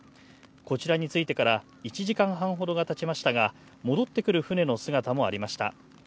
こちらに着いてから１時間半ほどがたちましたが戻ってくる船の姿もありました。